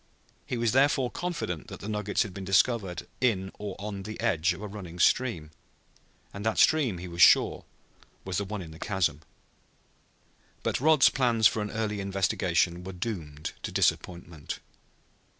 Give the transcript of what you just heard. He was therefore confident that the nuggets had been discovered in or on the edge of a running stream. And that stream, he was sure, was the one in the chasm. But Rod's plans for an early investigation were doomed to disappointment.